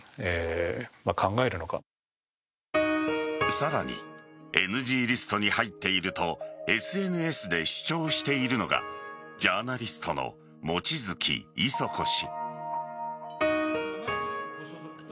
さらにＮＧリストに入っているとＳＮＳで主張しているのがジャーナリストの望月衣塑子氏。